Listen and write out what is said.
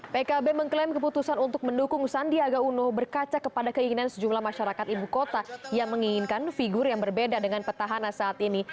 pkb mengklaim keputusan untuk mendukung sandiaga uno berkaca kepada keinginan sejumlah masyarakat ibu kota yang menginginkan figur yang berbeda dengan petahana saat ini